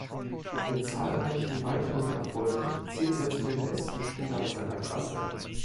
Mit zahlreichen weiteren Erfolgen zählt er zu den besten Spielern seiner Klasse.